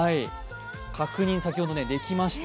確認、先ほどできました。